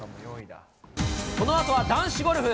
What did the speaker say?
このあとは男子ゴルフ。